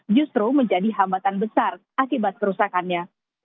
justru menjadi hambatan besar akibat kerusakannya